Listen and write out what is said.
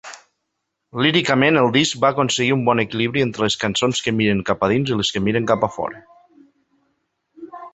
Líricament, el disc va aconseguir un bon equilibri entre les cançons que miren cap a dins i les que miren cap a fora.